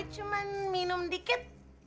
cuma minum dikit